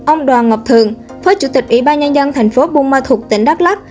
ông đoàn ngọc thường phó chủ tịch ủy ban nhân dân thành phố bumathut tỉnh đắk lắc